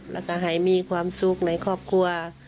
แล้วก็ให้มีความสุขในครอบครัว